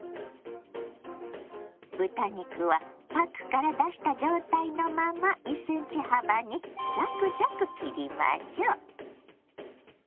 豚肉はパックから出した状態のまま１ｃｍ幅にザクザク切りましょう。